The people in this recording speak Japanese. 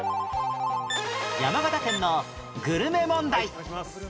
山形県のグルメ問題